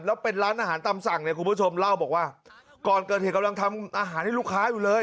แล้วเป็นร้านอาหารตามสั่งเนี่ยคุณผู้ชมเล่าบอกว่าก่อนเกิดเหตุกำลังทำอาหารให้ลูกค้าอยู่เลย